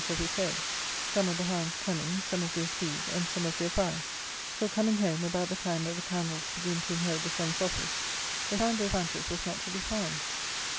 51 of the fairness of his head, some of the hounds' cunning, some of their speed, and some of their cry ; till, coming home about the time that the candles begin to inherit the sun's ' office, they found Daiphantus was not to be found.